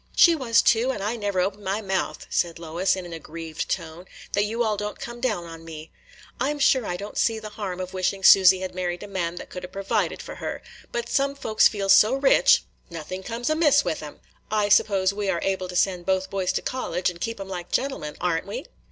"She was, too; and I never open my mouth," said Lois, in an aggrieved tone, "that you all don't come down on me. I 'm sure I don't see the harm of wishing Susy had married a man that could 'a' provided for her; but some folks feel so rich, nothing comes amiss with 'em. I suppose we are able to send both boys to college, and keep 'em like gentlemen, are n't we?"